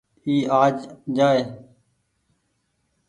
اي آج جآئي۔